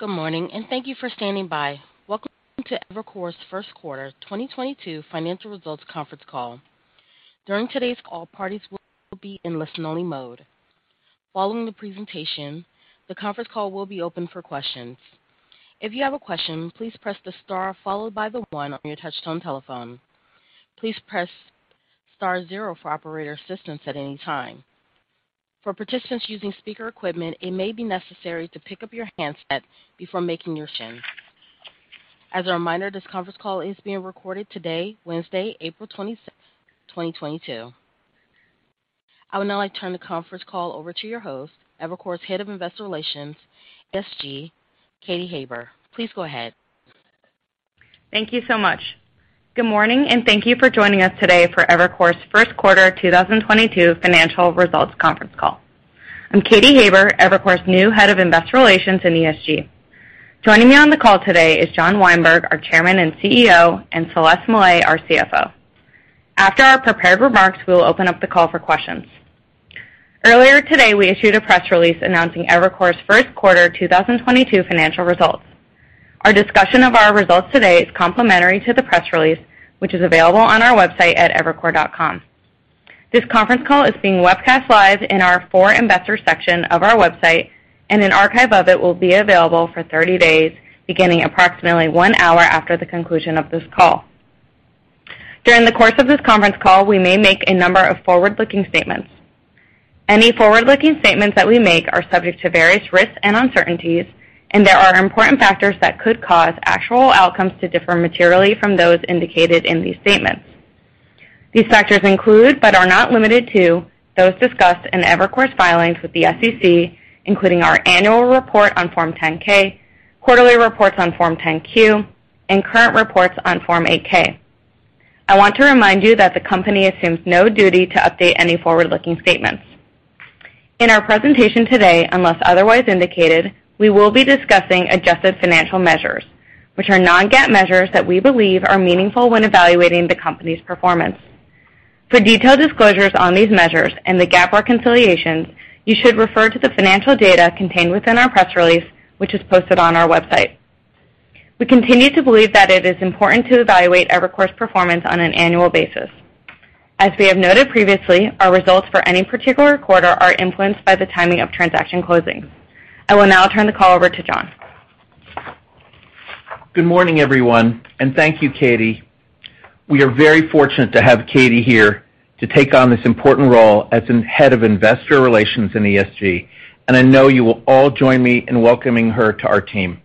Good morning, and thank you for standing by. Welcome to Evercore's first quarter 2022 financial results conference call. During today's call, parties will be in listen-only mode. Following the presentation, the conference call will be open for questions. If you have a question, please press the star followed by the one on your touchtone telephone. Please press star zero for operator assistance at any time. For participants using speaker equipment, it may be necessary to pick up your handset before making your action. As a reminder, this conference call is being recorded today, Wednesday, April 26th, 2022. I would now like to turn the conference call over to your host, Evercore's Head of Investor Relations, ESG, Katy Haber. Please go ahead. Thank you so much. Good morning, and thank you for joining us today for Evercore's first quarter 2022 financial results conference call. I'm Katy Haber, Evercore's new Head of Investor Relations and ESG. Joining me on the call today is John Weinberg, our Chairman and CEO, and Celeste Mellet, our CFO. After our prepared remarks, we will open up the call for questions. Earlier today, we issued a press release announcing Evercore's first quarter 2022 financial results. Our discussion of our results today is complementary to the press release, which is available on our website at evercore.com. This conference call is being webcast live in our For Investors section of our website, and an archive of it will be available for 30 days, beginning approximately one hour after the conclusion of this call. During the course of this conference call, we may make a number of forward-looking statements. Any forward-looking statements that we make are subject to various risks and uncertainties, and there are important factors that could cause actual outcomes to differ materially from those indicated in these statements. These factors include, but are not limited to, those discussed in Evercore's filings with the SEC, including our annual report on Form 10-K, quarterly reports on Form 10-Q, and current reports on Form 8-K. I want to remind you that the company assumes no duty to update any forward-looking statements. In our presentation today, unless otherwise indicated, we will be discussing adjusted financial measures, which are non-GAAP measures that we believe are meaningful when evaluating the company's performance. For detailed disclosures on these measures and the GAAP reconciliations, you should refer to the financial data contained within our press release, which is posted on our website. We continue to believe that it is important to evaluate Evercore's performance on an annual basis. As we have noted previously, our results for any particular quarter are influenced by the timing of transaction closings. I will now turn the call over to John. Good morning, everyone, and thank you, Katy. We are very fortunate to have Katy here to take on this important role as Head of Investor Relations and ESG, and I know you will all join me in welcoming her to our team.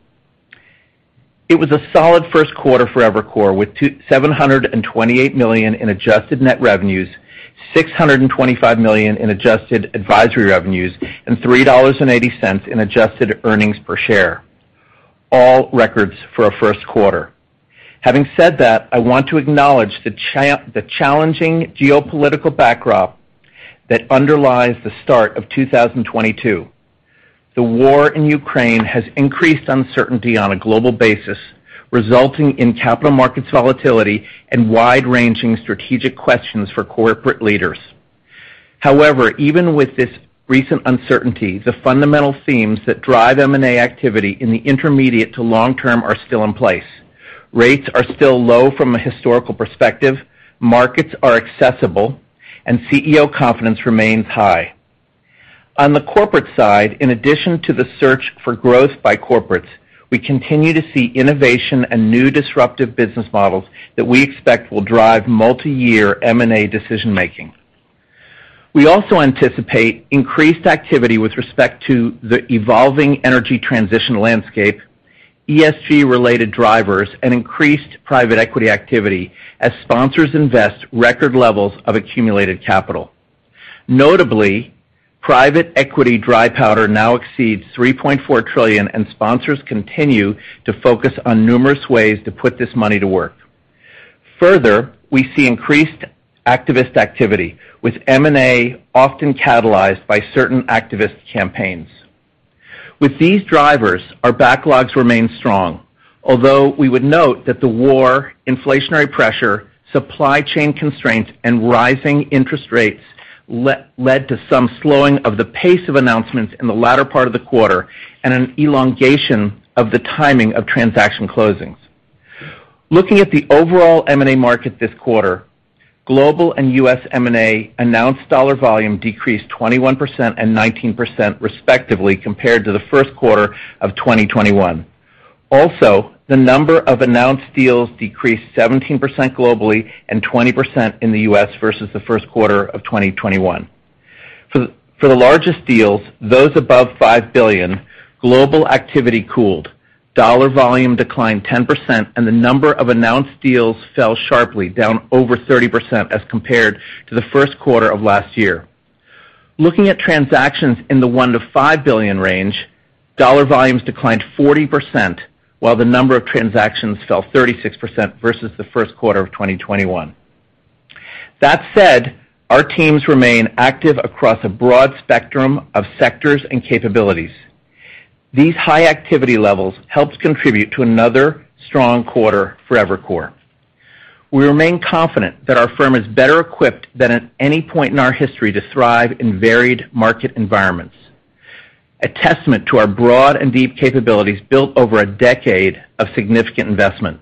It was a solid first quarter for Evercore with $728 million in adjusted net revenues, $625 million in adjusted advisory revenues, and $3.80 in adjusted earnings per share, all records for a first quarter. Having said that, I want to acknowledge the challenging geopolitical backdrop that underlies the start of 2022. The war in Ukraine has increased uncertainty on a global basis, resulting in capital market volatility and wide-ranging strategic questions for corporate leaders. However, even with this recent uncertainty, the fundamental themes that drive M&A activity in the intermediate to long term are still in place. Rates are still low from a historical perspective, markets are accessible, and CEO confidence remains high. On the corporate side, in addition to the search for growth by corporates, we continue to see innovation and new disruptive business models that we expect will drive multiyear M&A decision-making. We also anticipate increased activity with respect to the evolving energy transition landscape, ESG-related drivers, and increased private equity activity as sponsors invest record levels of accumulated capital. Notably, private equity dry powder now exceeds $3.4 trillion, and sponsors continue to focus on numerous ways to put this money to work. Further, we see increased activist activity, with M&A often catalyzed by certain activist campaigns. With these drivers, our backlogs remain strong. Although we would note that the war, inflationary pressure, supply chain constraints, and rising interest rates led to some slowing of the pace of announcements in the latter part of the quarter and an elongation of the timing of transaction closings. Looking at the overall M&A market this quarter, global and U.S. M&A announced dollar volume decreased 21% and 19%, respectively, compared to the first quarter of 2021. Also, the number of announced deals decreased 17% globally and 20% in the U.S. versus the first quarter of 2021. For the largest deals, those above $5 billion, global activity cooled. Dollar volume declined 10%, and the number of announced deals fell sharply, down over 30% as compared to the first quarter of last year. Looking at transactions in the $1 billion-$5 billion range, dollar volumes declined 40%, while the number of transactions fell 36% versus the first quarter of 2021. That said, our teams remain active across a broad spectrum of sectors and capabilities. These high activity levels helps contribute to another strong quarter for Evercore. We remain confident that our firm is better equipped than at any point in our history to thrive in varied market environments, a testament to our broad and deep capabilities built over a decade of significant investment.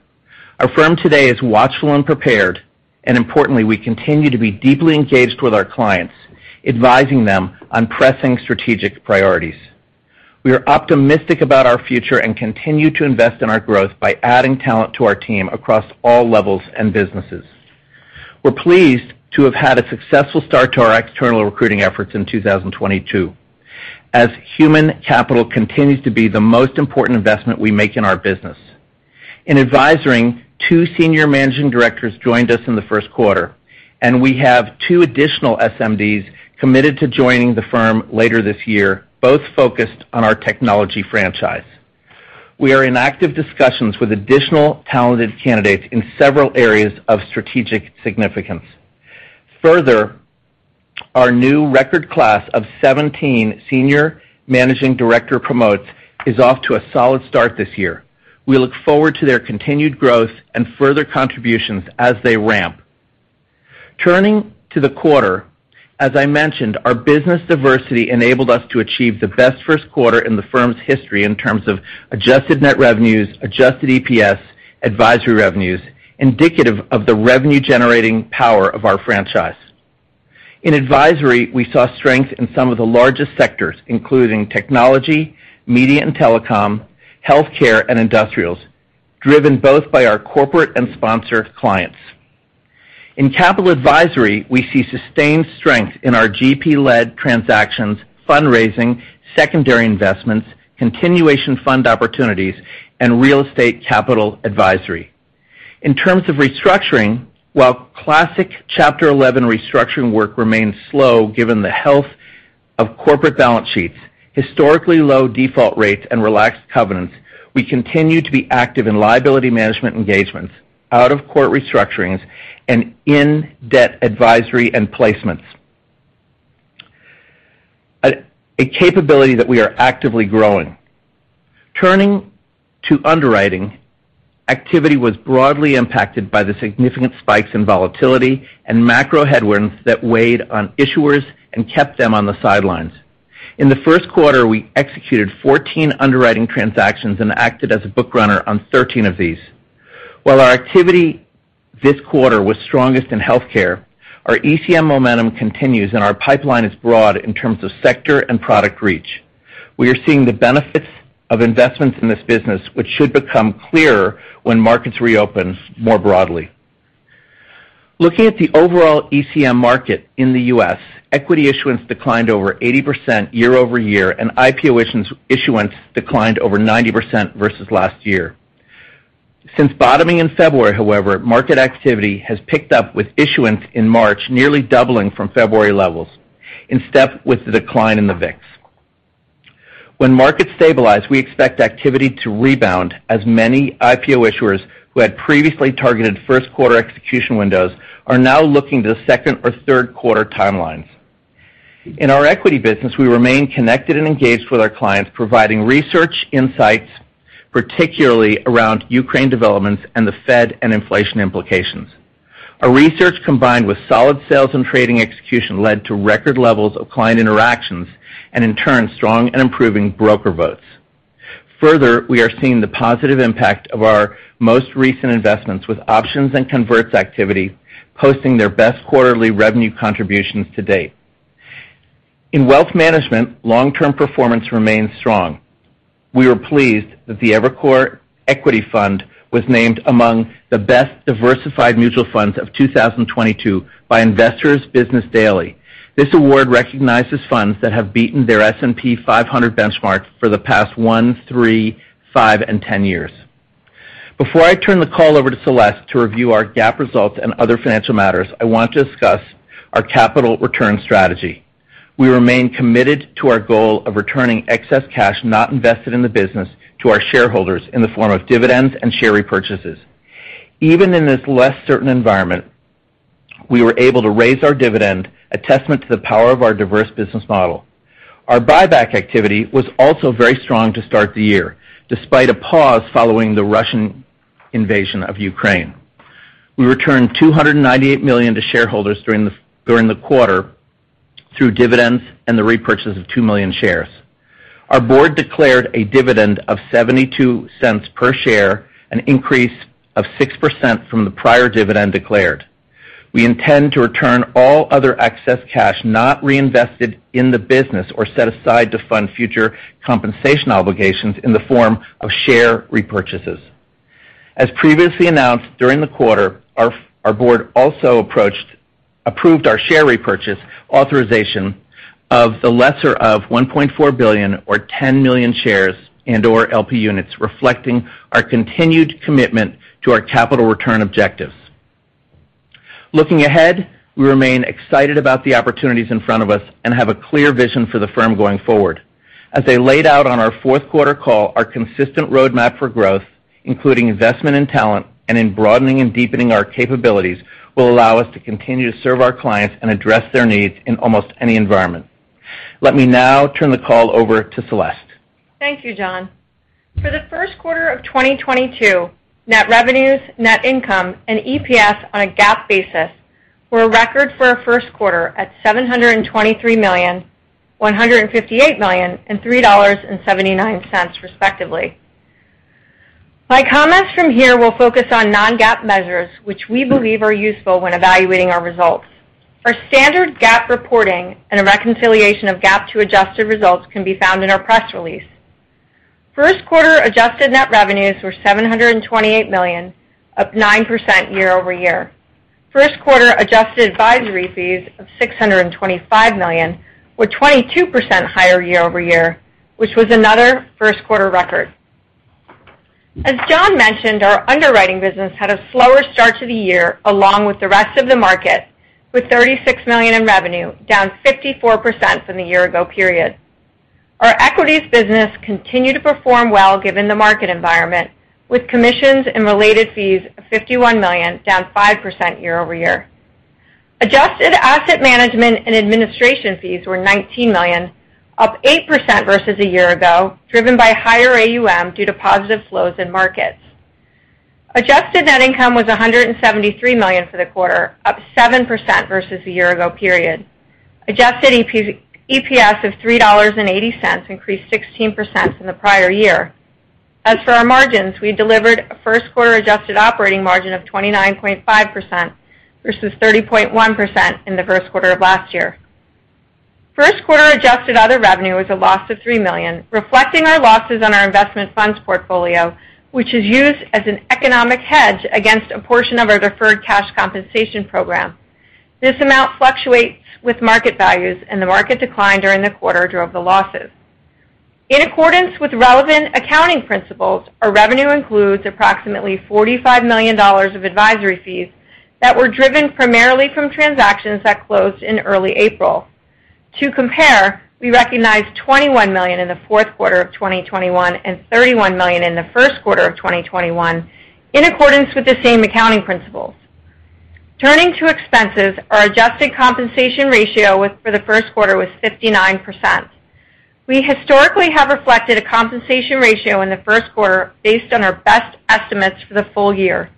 Our firm today is watchful and prepared, and importantly, we continue to be deeply engaged with our clients, advising them on pressing strategic priorities. We are optimistic about our future and continue to invest in our growth by adding talent to our team across all levels and businesses. We're pleased to have had a successful start to our external recruiting efforts in 2022, as human capital continues to be the most important investment we make in our business. In Advisory, two Senior Managing Directors joined us in the first quarter, and we have two additional SMDs committed to joining the firm later this year, both focused on our technology franchise. We are in active discussions with additional talented candidates in several areas of strategic significance. Further, our new record class of 17 Senior Managing Director promotions is off to a solid start this year. We look forward to their continued growth and further contributions as they ramp. Turning to the quarter, as I mentioned, our business diversity enabled us to achieve the best first quarter in the firm's history in terms of adjusted net revenues, adjusted EPS, advisory revenues, indicative of the revenue-generating power of our franchise. In advisory, we saw strength in some of the largest sectors, including technology, media and telecom, healthcare and industrials, driven both by our corporate and sponsor clients. In capital advisory, we see sustained strength in our GP-led transactions, fundraising, secondary investments, continuation fund opportunities, and real estate capital advisory. In terms of restructuring, while classic Chapter Eleven restructuring work remains slow given the health of corporate balance sheets, historically low default rates, and relaxed covenants, we continue to be active in liability management engagements, out-of-court restructurings, and in debt advisory and placements, a capability that we are actively growing. Turning to underwriting, activity was broadly impacted by the significant spikes in volatility and macro headwinds that weighed on issuers and kept them on the sidelines. In the first quarter, we executed 14 underwriting transactions and acted as a book runner on 13 of these. While our activity this quarter was strongest in health care, our ECM momentum continues and our pipeline is broad in terms of sector and product reach. We are seeing the benefits of investments in this business, which should become clearer when markets reopen more broadly. Looking at the overall ECM market in the U.S., equity issuance declined over 80% year-over-year, and IPO issuance declined over 90% versus last year. Since bottoming in February, however, market activity has picked up with issuance in March nearly doubling from February levels in step with the decline in the VIX. When markets stabilize, we expect activity to rebound as many IPO issuers who had previously targeted first-quarter execution windows are now looking to second or third quarter timelines. In our equity business, we remain connected and engaged with our clients, providing research insights, particularly around Ukraine developments and the Fed and inflation implications. Our research, combined with solid sales and trading execution, led to record levels of client interactions and, in turn, strong and improving broker votes. Further, we are seeing the positive impact of our most recent investments, with options and converts activity posting their best quarterly revenue contributions to date. In wealth management, long-term performance remains strong. We are pleased that the Evercore Equity Fund was named among the best diversified mutual funds of 2022 by Investor's Business Daily. This award recognizes funds that have beaten their S&P 500 benchmark for the past one, three, five, and 10 years. Before I turn the call over to Celeste to review our GAAP results and other financial matters, I want to discuss our capital return strategy. We remain committed to our goal of returning excess cash not invested in the business to our shareholders in the form of dividends and share repurchases. Even in this less certain environment, we were able to raise our dividend, a testament to the power of our diverse business model. Our buyback activity was also very strong to start the year, despite a pause following the Russian invasion of Ukraine. We returned $298 million to shareholders during the quarter through dividends and the repurchase of 2 million shares. Our board declared a dividend of $0.72 per share, an increase of 6% from the prior dividend declared. We intend to return all other excess cash not reinvested in the business or set aside to fund future compensation obligations in the form of share repurchases. As previously announced during the quarter, our board also approved our share repurchase authorization of the lesser of $1.4 billion or 10 million shares and/or LP units, reflecting our continued commitment to our capital return objectives. Looking ahead, we remain excited about the opportunities in front of us and have a clear vision for the firm going forward. As I laid out on our fourth quarter call, our consistent roadmap for growth, including investment in talent and in broadening and deepening our capabilities, will allow us to continue to serve our clients and address their needs in almost any environment. Let me now turn the call over to Celeste. Thank you, John. For the first quarter of 2022, net revenues, net income and EPS on a GAAP basis were a record for our first quarter at $723 million, $158 million, and $3.79, respectively. My comments from here will focus on non-GAAP measures, which we believe are useful when evaluating our results. Our standard GAAP reporting and a reconciliation of GAAP to adjusted results can be found in our press release. First quarter adjusted net revenues were $728 million, up 9% year over year. First quarter adjusted advisory fees of $625 million were 22% higher year over year, which was another first quarter record. As John mentioned, our underwriting business had a slower start to the year, along with the rest of the market, with $36 million in revenue, down 54% from the year ago period. Our equities business continued to perform well given the market environment, with commissions and related fees of $51 million, down 5% year-over-year. Adjusted asset management and administration fees were $19 million, up 8% versus a year ago, driven by higher AUM due to positive flows in markets. Adjusted net income was $173 million for the quarter, up 7% versus the year ago period. Adjusted EPS of $3.80 increased 16% from the prior year. As for our margins, we delivered a first quarter adjusted operating margin of 29.5% versus 30.1% in the first quarter of last year. First quarter adjusted other revenue was a loss of $3 million, reflecting our losses on our investment funds portfolio, which is used as an economic hedge against a portion of our deferred cash compensation program. This amount fluctuates with market values, and the market decline during the quarter drove the losses. In accordance with relevant accounting principles, our revenue includes approximately $45 million of advisory fees that were driven primarily from transactions that closed in early April. To compare, we recognized $21 million in the fourth quarter of 2021 and $31 million in the first quarter of 2021, in accordance with the same accounting principles. Turning to expenses, our adjusted compensation ratio for the first quarter was 59%. We historically have reflected a compensation ratio in the first quarter based on our best estimates for the full year.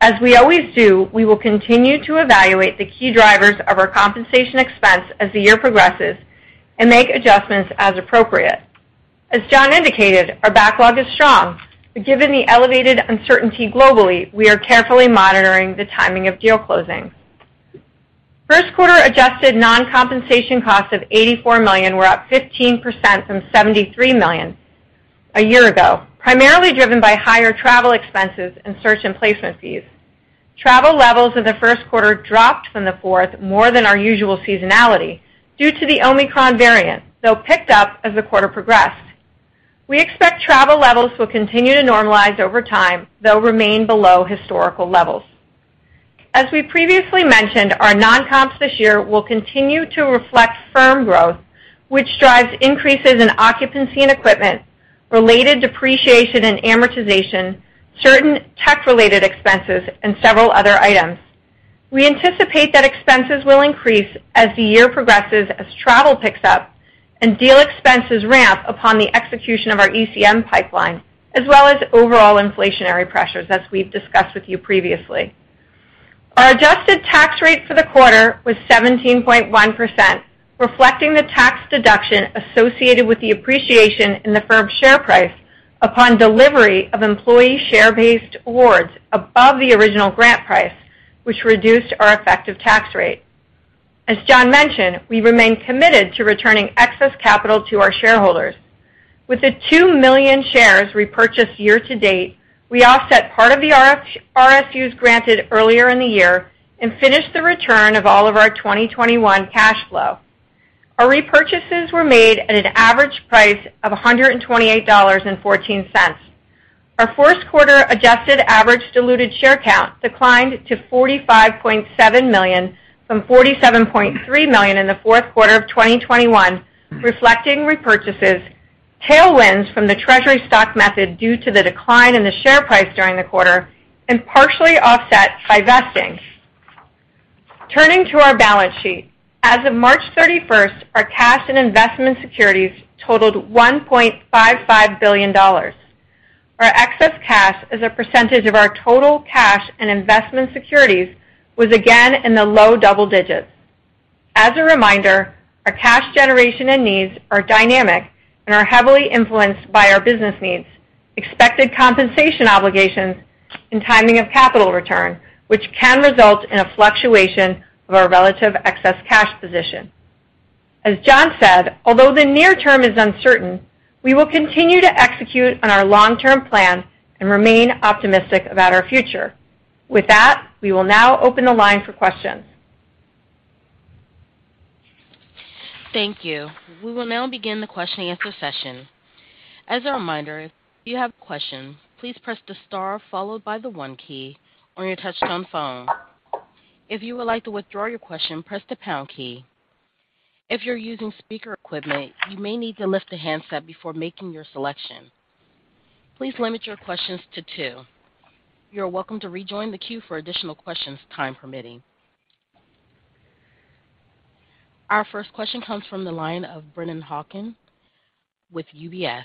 As we always do, we will continue to evaluate the key drivers of our compensation expense as the year progresses and make adjustments as appropriate. As John indicated, our backlog is strong. Given the elevated uncertainty globally, we are carefully monitoring the timing of deal closings. First quarter adjusted non-compensation costs of $84 million were up 15% from $73 million a year ago, primarily driven by higher travel expenses and search and placement fees. Travel levels in the first quarter dropped from the fourth quarter more than our usual seasonality due to the Omicron variant, though picked up as the quarter progressed. We expect travel levels will continue to normalize over time, though remain below historical levels. As we previously mentioned, our non-comps this year will continue to reflect firm growth, which drives increases in occupancy and equipment, related depreciation and amortization, certain tech-related expenses, and several other items. We anticipate that expenses will increase as the year progresses, as travel picks up and deal expenses ramp upon the execution of our ECM pipeline, as well as overall inflationary pressures, as we've discussed with you previously. Our adjusted tax rate for the quarter was 17.1%, reflecting the tax deduction associated with the appreciation in the firm's share price upon delivery of employee share-based awards above the original grant price, which reduced our effective tax rate. As John mentioned, we remain committed to returning excess capital to our shareholders. With the 2 million shares repurchased year to date, we offset part of the RSUs granted earlier in the year and finished the return of all of our 2021 cash flow. Our repurchases were made at an average price of $128.14. Our first quarter adjusted average diluted share count declined to 45.7 million from 47.3 million in the fourth quarter of 2021, reflecting repurchases, tailwinds from the treasury stock method due to the decline in the share price during the quarter, and partially offset by vesting. Turning to our balance sheet. As of March 31st, our cash and investment securities totaled $1.55 billion. Our excess cash as a percentage of our total cash and investment securities was again in the low double digits. As a reminder, our cash generation and needs are dynamic and are heavily influenced by our business needs, expected compensation obligations, and timing of capital return, which can result in a fluctuation of our relative excess cash position. As John said, although the near term is uncertain, we will continue to execute on our long-term plan and remain optimistic about our future. With that, we will now open the line for questions. Thank you. We will now begin the question and answer session. As a reminder, if you have questions, please press the star followed by the one key on your touchtone phone. If you would like to withdraw your question, press the pound key. If you're using speaker equipment, you may need to lift the handset before making your selection. Please limit your questions to two. You're welcome to rejoin the queue for additional questions, time permitting. Our first question comes from the line of Brennan Hawken with UBS.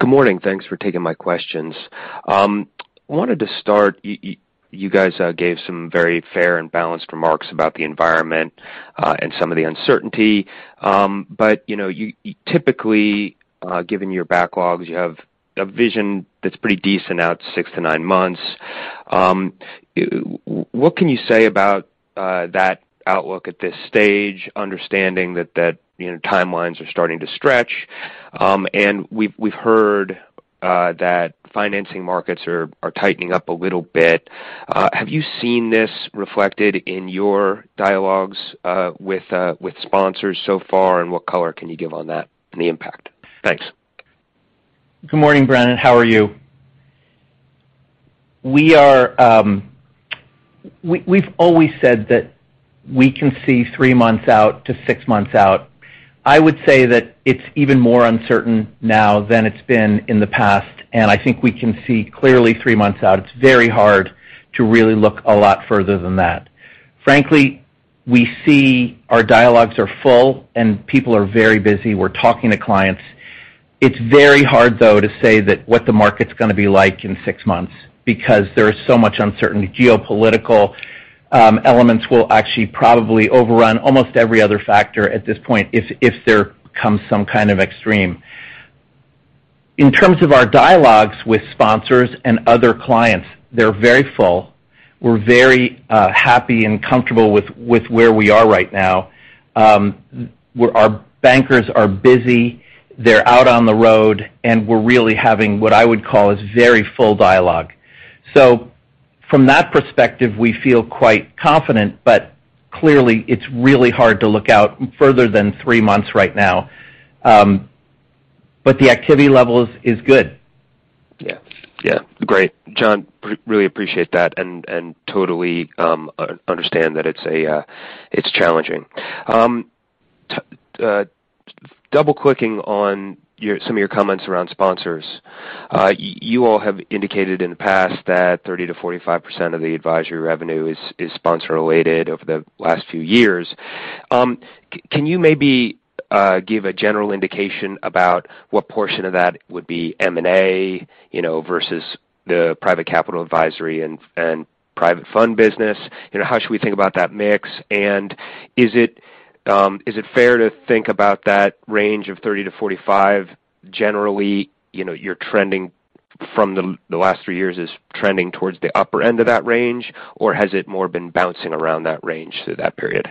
Good morning. Thanks for taking my questions. Wanted to start, you guys gave some very fair and balanced remarks about the environment and some of the uncertainty. You know, you typically, given your backlogs, you have a vision that's pretty decent out to six to nine months. What can you say about that outlook at this stage, understanding that you know, timelines are starting to stretch and we've heard that financing markets are tightening up a little bit. Have you seen this reflected in your dialogues with sponsors so far, and what color can you give on that and the impact? Thanks. Good morning, Brennan. How are you? We've always said that we can see three months out to six months out. I would say that it's even more uncertain now than it's been in the past, and I think we can see clearly three months out. It's very hard to really look a lot further than that. Frankly, we see our dialogues are full and people are very busy. We're talking to clients. It's very hard, though, to say what the market's gonna be like in six months because there is so much uncertainty. Geopolitical elements will actually probably overrun almost every other factor at this point if there comes some kind of extreme. In terms of our dialogues with sponsors and other clients, they're very full. We're very happy and comfortable with where we are right now. Our bankers are busy, they're out on the road, and we're really having what I would call is very full dialogue. From that perspective, we feel quite confident, but clearly it's really hard to look out further than three months right now. The activity levels is good. Yeah. Yeah. Great. John, really appreciate that and totally understand that it's challenging. Double-clicking on some of your comments around sponsors. You all have indicated in the past that 30%-45% of the advisory revenue is sponsor-related over the last few years. Can you maybe give a general indication about what portion of that would be M&A, you know, versus the private capital advisory and private fund business? You know, how should we think about that mix? Is it fair to think about that range of 30%-45%, generally, you know, you're trending from the last three years is trending towards the upper end of that range, or has it more been bouncing around that range through that period?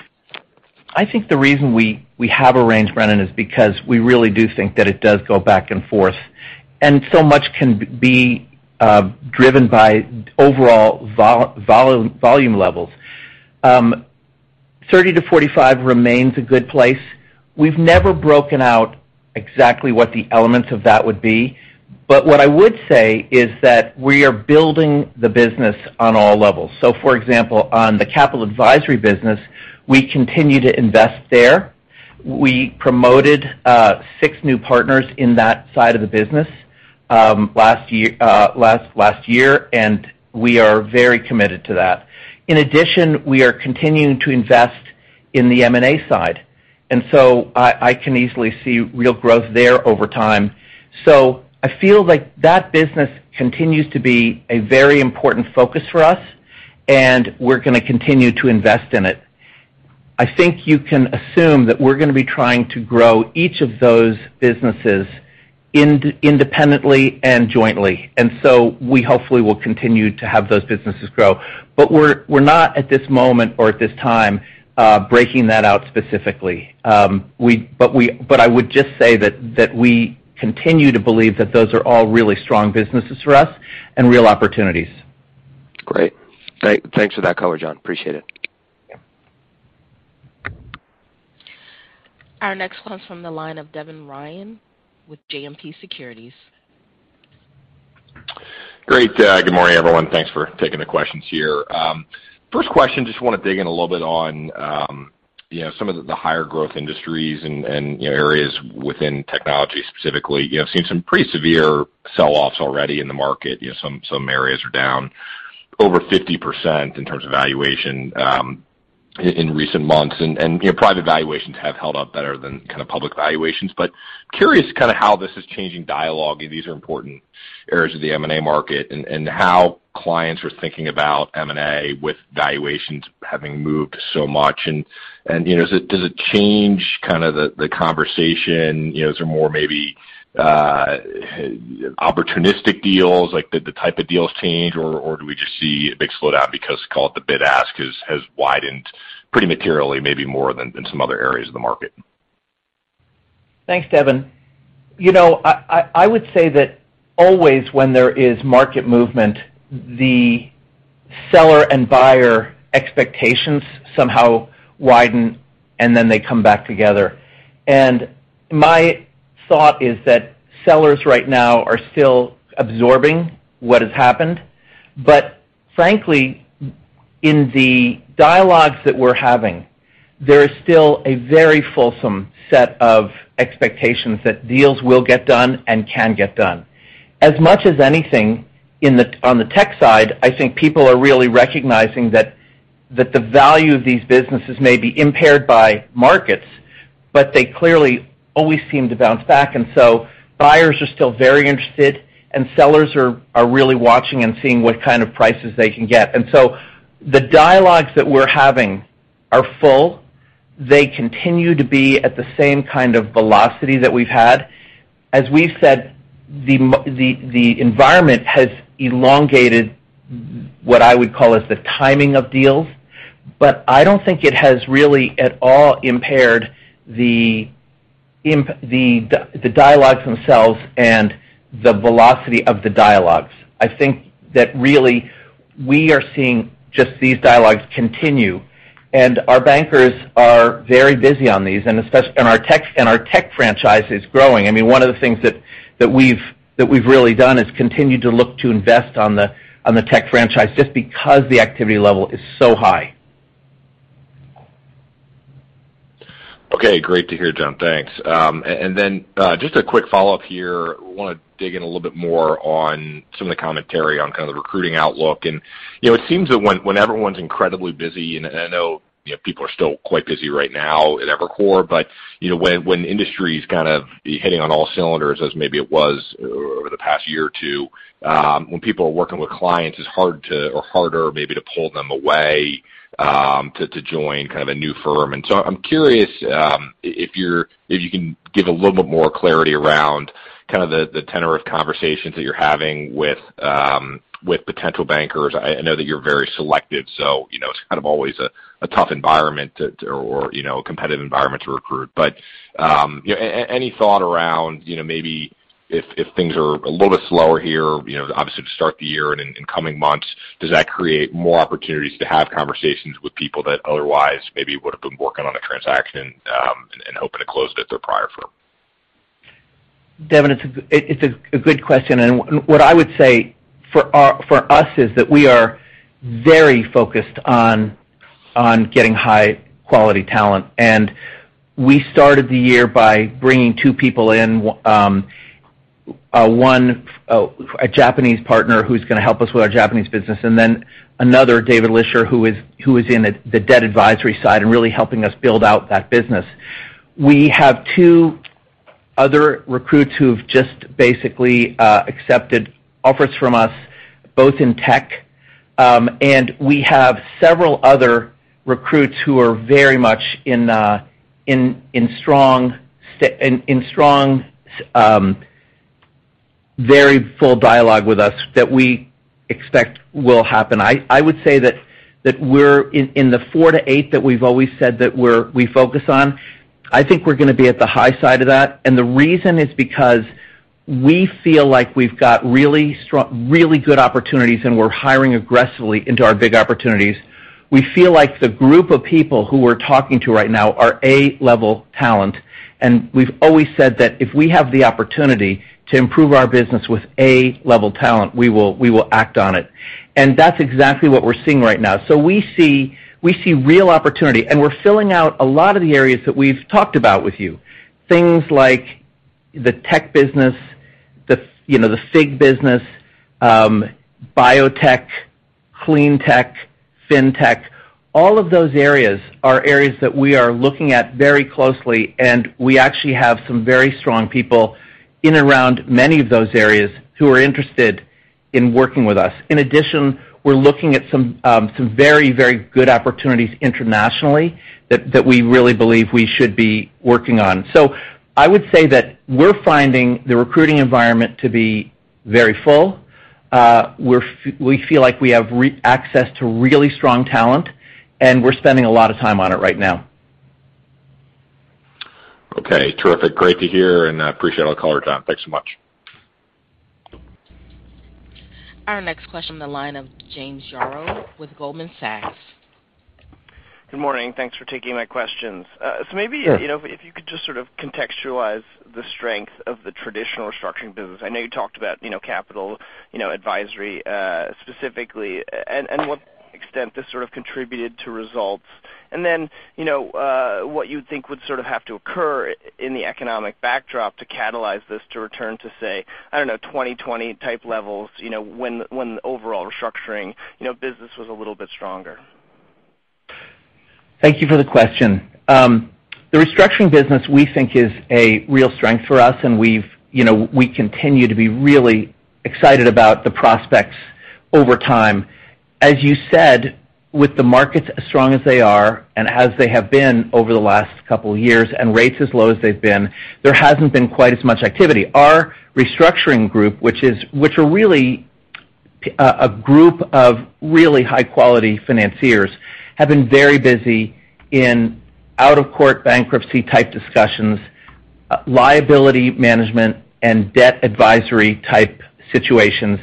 I think the reason we have a range, Brennan, is because we really do think that it does go back and forth, and so much can be driven by overall volume levels. 30%-45% remains a good place. We've never broken out exactly what the elements of that would be, but what I would say is that we are building the business on all levels. For example, on the capital advisory business, we continue to invest there. We promoted six new partners in that side of the business last year, and we are very committed to that. In addition, we are continuing to invest in the M&A side. I can easily see real growth there over time. I feel like that business continues to be a very important focus for us, and we're gonna continue to invest in it. I think you can assume that we're gonna be trying to grow each of those businesses independently and jointly. We hopefully will continue to have those businesses grow. We're not at this moment or at this time breaking that out specifically. I would just say that we continue to believe that those are all really strong businesses for us and real opportunities. Great. Thanks for that color, John. Appreciate it. Yeah. Our next call is from the line of Devin Ryan with JMP Securities. Great. Good morning, everyone. Thanks for taking the questions here. First question, just wanna dig in a little bit on, you know, some of the higher growth industries and, you know, areas within technology specifically. You have seen some pretty severe sell-offs already in the market. You know, some areas are down over 50% in terms of valuation in recent months. You know, private valuations have held up better than kinda public valuations. Curious kinda how this is changing dialogue, and these are important areas of the M&A market, and how clients are thinking about M&A with valuations having moved so much. You know, does it change kinda the conversation? You know, is there more maybe opportunistic deals? Like, did the type of deals change, or do we just see a big slowdown because, call it, the bid ask has widened pretty materially, maybe more than in some other areas of the market? Thanks, Devin. You know, I would say that always, when there is market movement, the seller and buyer expectations somehow widen, and then they come back together. My thought is that sellers right now are still absorbing what has happened. Frankly, in the dialogues that we're having, there is still a very fulsome set of expectations that deals will get done and can get done. As much as anything on the tech side, I think people are really recognizing that the value of these businesses may be impaired by markets, but they clearly always seem to bounce back. Buyers are still very interested, and sellers are really watching and seeing what kind of prices they can get. The dialogues that we're having are full. They continue to be at the same kind of velocity that we've had. As we've said, the environment has elongated what I would call as the timing of deals, but I don't think it has really at all impaired the dialogues themselves and the velocity of the dialogues. I think that really we are seeing just these dialogues continue, and our bankers are very busy on these and our tech, and our tech franchise is growing. I mean, one of the things that we've really done is continue to look to invest on the tech franchise just because the activity level is so high. Okay. Great to hear, John. Thanks. Just a quick follow-up here. Wanna dig in a little bit more on some of the commentary on kind of the recruiting outlook. You know, it seems that when everyone's incredibly busy, and I know, you know, people are still quite busy right now at Evercore, but, you know, when industry's kind of hitting on all cylinders as maybe it was over the past year or two, when people are working with clients, it's harder maybe to pull them away, to join kind of a new firm. I'm curious, if you can give a little bit more clarity around kind of the tenor of conversations that you're having with potential bankers. I know that you're very selective, so you know, it's kind of always a tough environment or you know, a competitive environment to recruit. You know, any thought around, you know, maybe if things are a little bit slower here, you know, obviously to start the year and in coming months, does that create more opportunities to have conversations with people that otherwise maybe would've been working on a transaction and hoping to close it at their prior firm? Devin, it's a good question. What I would say for us is that we are very focused on getting high quality talent. We started the year by bringing two people in. One, a Japanese partner who's gonna help us with our Japanese business, and then another, David Lischer, who is in the debt advisory side and really helping us build out that business. We have two other recruits who have just basically accepted offers from us, both in tech, and we have several other recruits who are very much in strong, very full dialogue with us that we expect will happen. I would say that we're in the 4%-8% that we've always said that we focus on. I think we're gonna be at the high side of that. The reason is because we feel like we've got really good opportunities, and we're hiring aggressively into our big opportunities. We feel like the group of people who we're talking to right now are A-level talent. We've always said that if we have the opportunity to improve our business with A-level talent, we will act on it. That's exactly what we're seeing right now. We see real opportunity, and we're filling out a lot of the areas that we've talked about with you. Things like the tech business, you know, the FIG business, biotech, clean tech, fintech. All of those areas are areas that we are looking at very closely, and we actually have some very strong people in around many of those areas who are interested in working with us. In addition, we're looking at some very, very good opportunities internationally that we really believe we should be working on. I would say that we're finding the recruiting environment to be very full. We feel like we have access to really strong talent, and we're spending a lot of time on it right now. Okay. Terrific. Great to hear, and I appreciate all the color, John. Thanks so much. Our next question on the line of James Yaro with Goldman Sachs. Good morning. Thanks for taking my questions. Maybe Sure. You know, if you could just sort of contextualize the strength of the traditional restructuring business. I know you talked about, you know, capital, you know, advisory, specifically, and what extent this sort of contributed to results. You know, what you'd think would sort of have to occur in the economic backdrop to catalyze this to return to, say, I don't know, 2020-type levels, you know, when overall restructuring, you know, business was a little bit stronger. Thank you for the question. The restructuring business, we think is a real strength for us, and we've, you know, we continue to be really excited about the prospects over time. As you said, with the markets as strong as they are and as they have been over the last couple years and rates as low as they've been, there hasn't been quite as much activity. Our restructuring group, which are really a group of really high quality financiers, have been very busy in out-of-court bankruptcy type discussions, liability management and debt advisory type situations,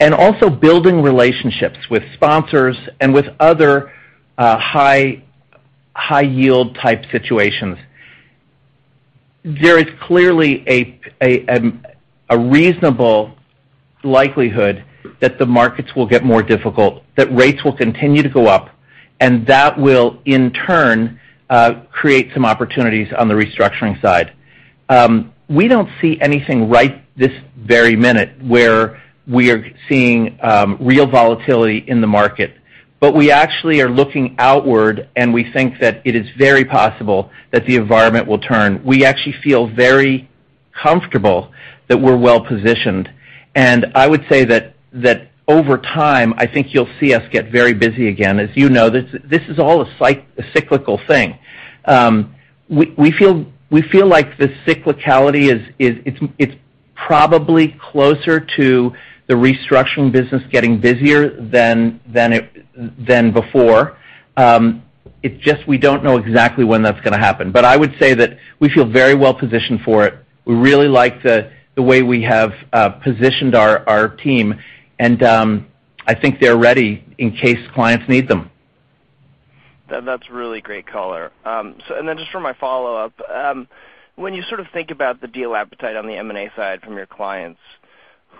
and also building relationships with sponsors and with other high yield type situations. There is clearly a reasonable likelihood that the markets will get more difficult, that rates will continue to go up, and that will, in turn, create some opportunities on the restructuring side. We don't see anything right this very minute where we are seeing real volatility in the market. We actually are looking outward, and we think that it is very possible that the environment will turn. We actually feel very comfortable that we're well-positioned. I would say that over time, I think you'll see us get very busy again. As you know, this is all a cyclical thing. We feel like the cyclicality is, it's probably closer to the restructuring business getting busier than before. It's just we don't know exactly when that's gonna happen. I would say that we feel very well-positioned for it. We really like the way we have positioned our team, and I think they're ready in case clients need them. That's really great color. Just for my follow-up, when you sort of think about the deal appetite on the M&A side from your clients,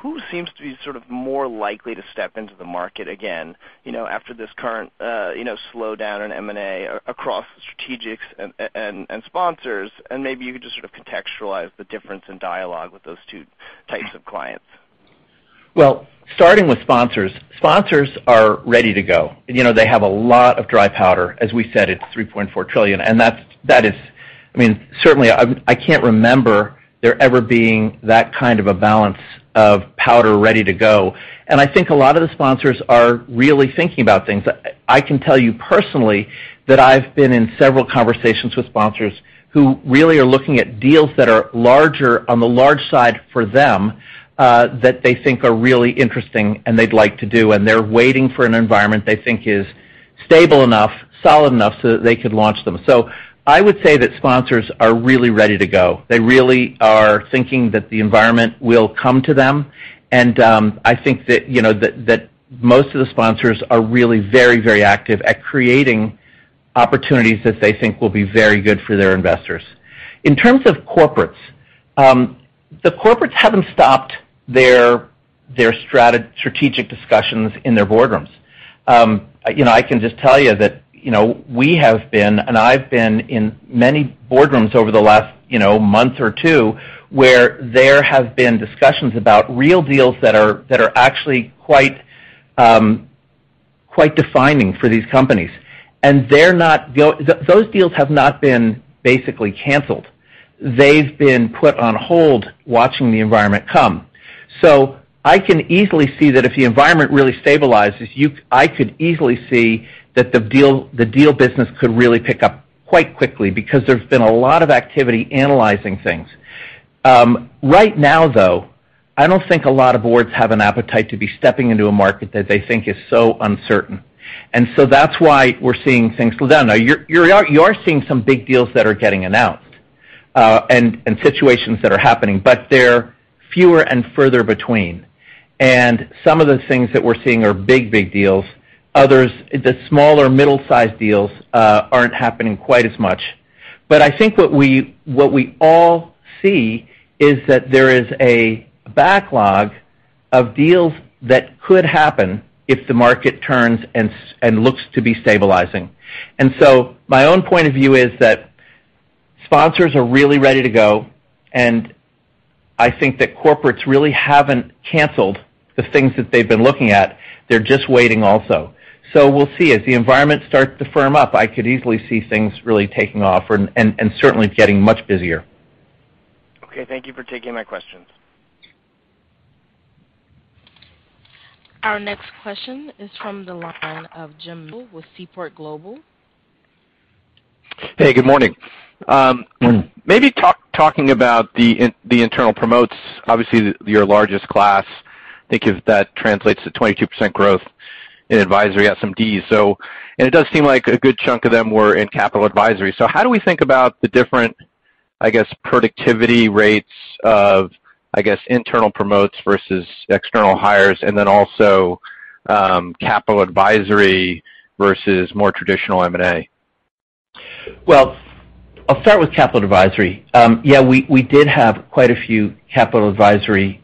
who seems to be sort of more likely to step into the market again, you know, after this current, you know, slowdown in M&A across strategics and sponsors, and maybe you could just sort of contextualize the difference in dialogue with those two types of clients. Starting with sponsors are ready to go. You know, they have a lot of dry powder. As we said, it's $3.4 trillion, and that's. I mean, certainly I can't remember there ever being that kind of a balance of powder ready to go. I think a lot of the sponsors are really thinking about things. I can tell you personally that I've been in several conversations with sponsors who really are looking at deals that are larger on the large side for them, that they think are really interesting and they'd like to do, and they're waiting for an environment they think is stable enough, solid enough so that they could launch them. I would say that sponsors are really ready to go. They really are thinking that the environment will come to them, and I think that you know that most of the sponsors are really very very active at creating opportunities that they think will be very good for their investors. In terms of corporates, the corporates haven't stopped their strategic discussions in their boardrooms. You know, I can just tell you that you know we have been, and I've been in many boardrooms over the last you know month or two, where there have been discussions about real deals that are actually quite defining for these companies. Those deals have not been basically canceled. They've been put on hold watching the environment come. I can easily see that if the environment really stabilizes, I could easily see that the deal business could really pick up quite quickly because there's been a lot of activity analyzing things. Right now, though, I don't think a lot of boards have an appetite to be stepping into a market that they think is so uncertain. That's why we're seeing things slow down. Now you are seeing some big deals that are getting announced, and situations that are happening, but they're fewer and further between. Some of the things that we're seeing are big deals. Others, the smaller middle-sized deals, aren't happening quite as much. I think what we all see is that there is a backlog of deals that could happen if the market turns and looks to be stabilizing. My own point of view is that sponsors are really ready to go, and I think that corporates really haven't canceled the things that they've been looking at. They're just waiting also. We'll see. As the environment starts to firm up, I could easily see things really taking off and certainly getting much busier. Okay, thank you for taking my questions. Our next question is from the line of Jim Mitchell with Seaport Global. Hey, good morning. Maybe talking about the internal promotes, obviously your largest class, I think if that translates to 22% growth in advisory SMD. It does seem like a good chunk of them were in capital advisory. How do we think about the different, I guess, productivity rates of, I guess, internal promotes versus external hires and then also, capital advisory versus more traditional M&A? Well, I'll start with capital advisory. Yeah, we did have quite a few capital advisory promotes,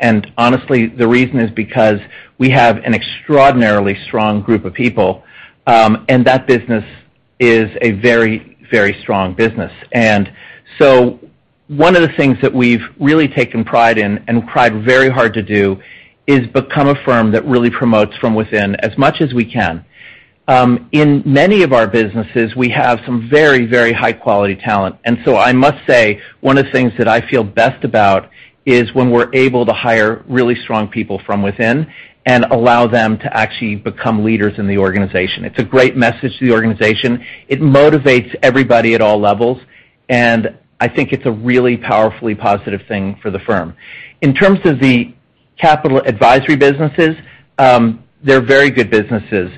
and honestly, the reason is because we have an extraordinarily strong group of people, and that business is a very, very strong business. One of the things that we've really taken pride in and tried very hard to do is become a firm that really promotes from within as much as we can. In many of our businesses, we have some very, very high-quality talent. I must say one of the things that I feel best about is when we're able to hire really strong people from within and allow them to actually become leaders in the organization. It's a great message to the organization. It motivates everybody at all levels, and I think it's a really powerfully positive thing for the firm. In terms of the capital advisory businesses, they're very good businesses.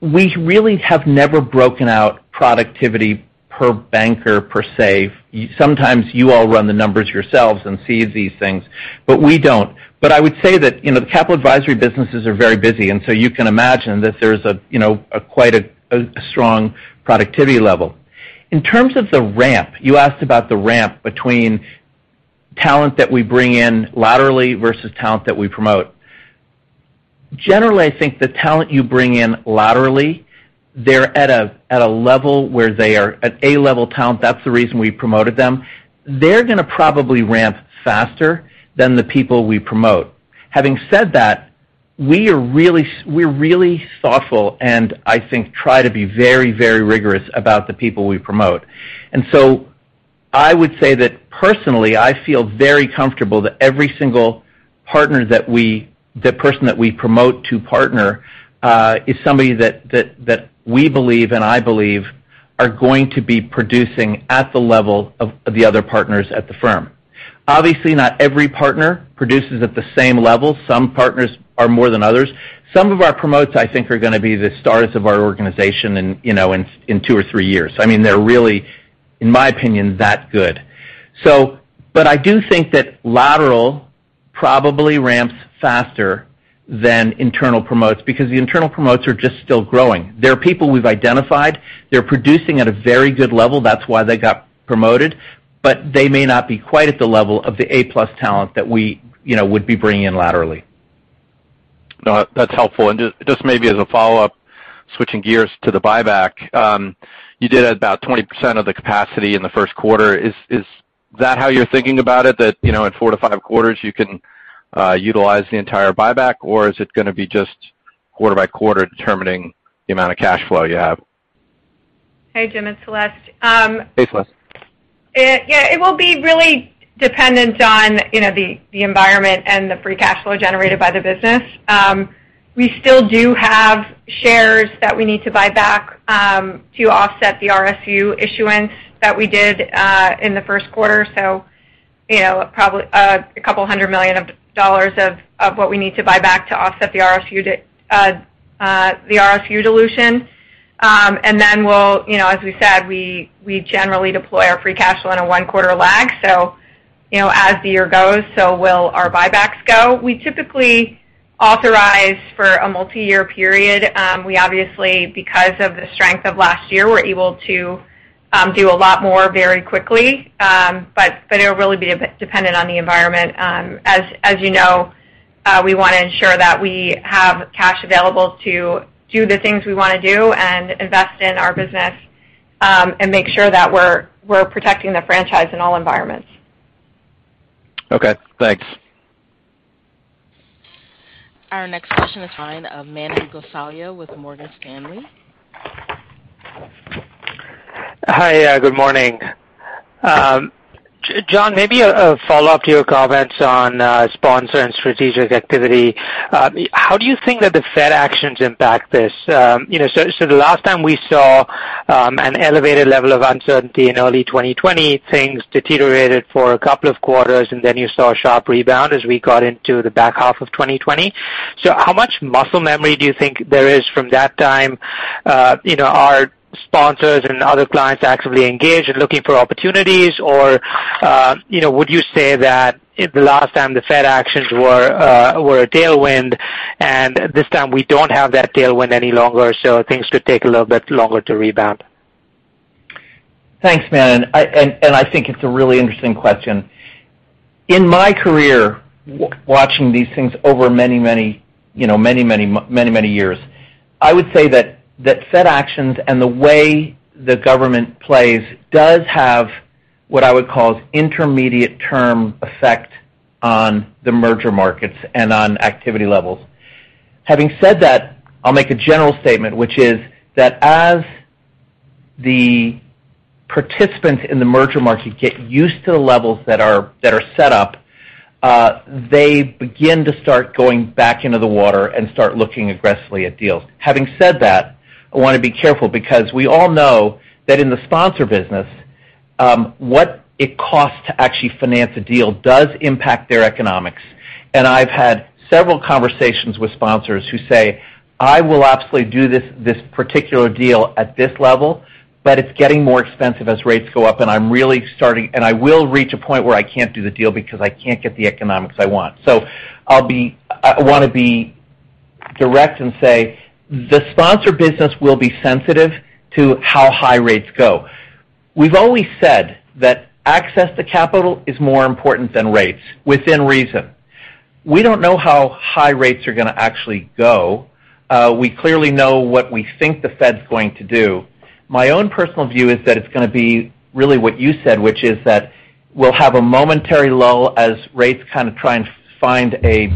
We really have never broken out productivity per banker per se. Sometimes you all run the numbers yourselves and see these things. We don't. I would say that, you know, the capital advisory businesses are very busy, and so you can imagine that there's you know a quite strong productivity level. In terms of the ramp, you asked about the ramp between talent that we bring in laterally versus talent that we promote. Generally, I think the talent you bring in laterally, they're at a level where they are at A-level talent. That's the reason we promoted them. They're gonna probably ramp faster than the people we promote. Having said that, we're really thoughtful, and I think try to be very, very rigorous about the people we promote. I would say that personally, I feel very comfortable that every single person that we promote to partner is somebody that we believe and I believe are going to be producing at the level of the other partners at the firm. Obviously, not every partner produces at the same level. Some partners are more than others. Some of our promotes, I think, are gonna be the stars of our organization in, you know, two or three years. I mean, they're really, in my opinion, that good. But I do think that lateral probably ramps faster than internal promotes because the internal promotes are just still growing. They're people we've identified. They're producing at a very good level, that's why they got promoted, but they may not be quite at the level of the A+ talent that we, you know, would be bringing in laterally. No, that's helpful. Just maybe as a follow-up, switching gears to the buyback, you did about 20% of the capacity in the first quarter. Is that how you're thinking about it? That you know, in four to five quarters you can utilize the entire buyback? Or is it gonna be just quarter by quarter determining the amount of cash flow you have? Hey, Jim. It's Celeste. Hey, Celeste. Yeah, it will be really dependent on, you know, the environment and the free cash flow generated by the business. We still do have shares that we need to buy back to offset the RSU issuance that we did in the first quarter. You know, probably $200 million of what we need to buy back to offset the RSU dilution. We'll, you know, as we said, we generally deploy our free cash flow in a one-quarter lag. You know, as the year goes, so will our buybacks go. We typically authorize for a multi-year period. We obviously, because of the strength of last year, we're able to do a lot more very quickly. It'll really be dependent on the environment. As you know, we wanna ensure that we have cash available to do the things we wanna do and invest in our business, and make sure that we're protecting the franchise in all environments. Okay, thanks. Our next question is from Manan Gosalia with Morgan Stanley. Hi. Good morning. John, maybe a follow-up to your comments on sponsor and strategic activity. How do you think that the Fed actions impact this? You know, so the last time we saw an elevated level of uncertainty in early 2020, things deteriorated for a couple of quarters, and then you saw a sharp rebound as we got into the back half of 2020. How much muscle memory do you think there is from that time? You know, are sponsors and other clients actively engaged in looking for opportunities? Or, you know, would you say that if the last time the Fed actions were a tailwind, and this time we don't have that tailwind any longer, so things could take a little bit longer to rebound? Thanks, Manan. I think it's a really interesting question. In my career, watching these things over many, you know, many years, I would say that Fed actions and the way the government plays does have what I would call intermediate term effect on the merger markets and on activity levels. Having said that, I'll make a general statement, which is that as the participants in the merger market get used to the levels that are set up, they begin to start going back into the water and start looking aggressively at deals. Having said that, I wanna be careful because we all know that in the sponsor business, what it costs to actually finance a deal does impact their economics. I've had several conversations with sponsors who say, "I will absolutely do this particular deal at this level, but it's getting more expensive as rates go up, and I will reach a point where I can't do the deal because I can't get the economics I want." I wanna be direct and say the sponsor business will be sensitive to how high rates go. We've always said that access to capital is more important than rates, within reason. We don't know how high rates are gonna actually go. We clearly know what we think the Fed's going to do. My own personal view is that it's gonna be really what you said, which is that we'll have a momentary lull as rates kinda try and find a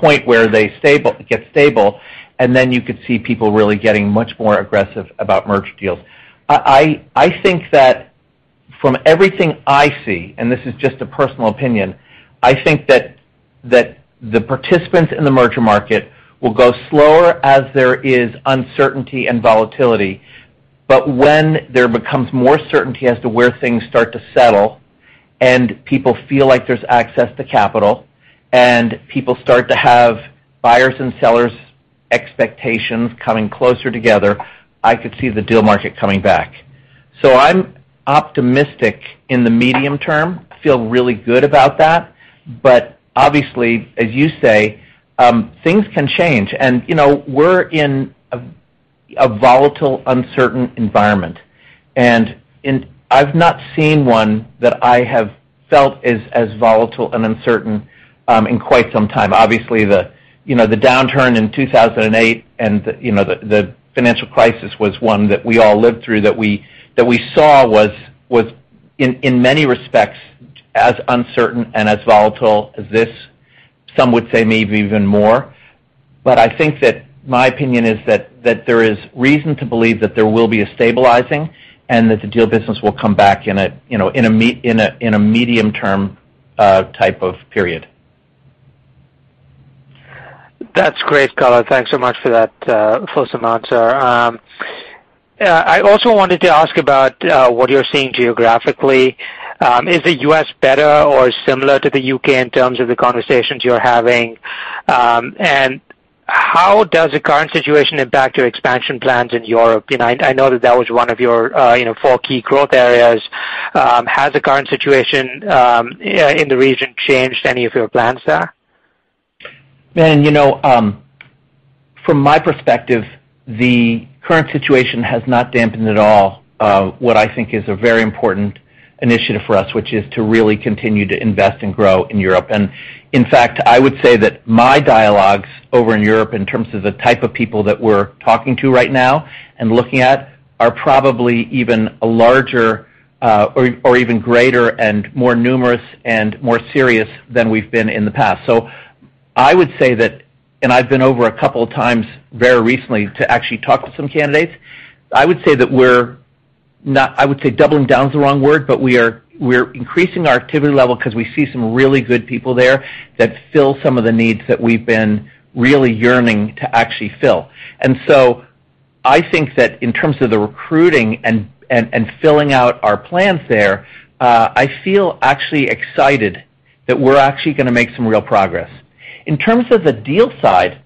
point where they get stable, and then you could see people really getting much more aggressive about merger deals. I think that from everything I see, and this is just a personal opinion, I think that the participants in the merger market will go slower as there is uncertainty and volatility. When there becomes more certainty as to where things start to settle and people feel like there's access to capital and people start to have buyers and sellers expectations coming closer together, I could see the deal market coming back. I'm optimistic in the medium term. Feel really good about that. Obviously, as you say, things can change and, you know, we're in a volatile, uncertain environment. I've not seen one that I have felt is as volatile and uncertain in quite some time. Obviously the, you know, the downturn in 2008 and the financial crisis was one that we all lived through that we saw was in many respects as uncertain and as volatile as this, some would say maybe even more. I think that my opinion is that there is reason to believe that there will be a stabilizing and that the deal business will come back in a medium term type of period. That's great color. Thanks so much for that full answer. I also wanted to ask about what you're seeing geographically. Is the U.S. better or similar to the U.K. in terms of the conversations you're having? How does the current situation impact your expansion plans in Europe? You know, I know that was one of your you know, four key growth areas. Has the current situation in the region changed any of your plans there? You know, from my perspective, the current situation has not dampened at all what I think is a very important initiative for us, which is to really continue to invest and grow in Europe. In fact, I would say that my dialogues over in Europe in terms of the type of people that we're talking to right now and looking at, are probably even a larger or even greater and more numerous and more serious than we've been in the past. I would say that, and I've been over a couple of times very recently to actually talk with some candidates. I would say doubling down is the wrong word, but we're increasing our activity level 'cause we see some really good people there that fill some of the needs that we've been really yearning to actually fill. I think that in terms of the recruiting and filling out our plans there, I feel actually excited that we're actually gonna make some real progress. In terms of the deal side,